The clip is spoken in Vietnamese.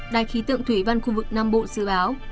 đài khí tượng thủy văn khu vực nam bộ dự báo